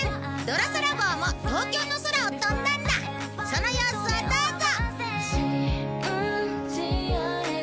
その様子をどうぞ！